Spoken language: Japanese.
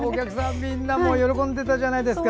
みんなも喜んでたじゃないですか。